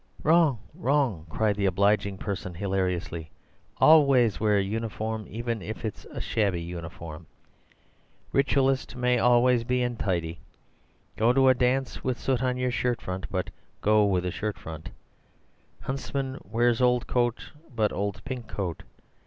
"Wrong, wrong!" cried the obliging person hilariously. "Always wear uniform, even if it's shabby uniform! Ritualists may always be untidy. Go to a dance with soot on your shirt front; but go with a shirt front. Huntsman wears old coat, but old pink coat.